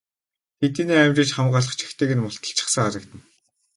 Хэдийнээ амжиж хамгаалах чагтыг нь мулталчихсан харагдана.